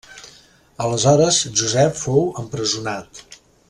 Aleshores Josep fou empresonat.